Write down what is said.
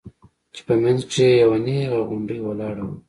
چې په منځ کښې يې يوه نيغه غونډۍ ولاړه وه.